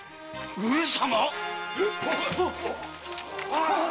上様。